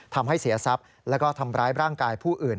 ทำให้เสียทรัพย์แล้วก็ทำร้ายร่างกายผู้อื่น